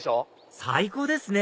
最高ですね